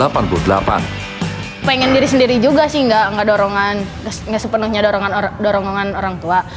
pengen diri sendiri juga sih nggak sepenuhnya dorongan orang tua